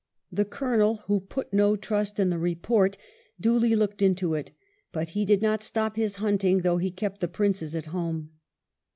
The Colonel, who put no trust in the report, duly looked into it ; but he did not stop his hunting, though he kept the princes at home.